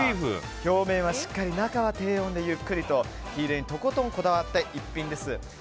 表面はしっかり中は低温でゆっくりと火入れにとことんとこだわった一品です。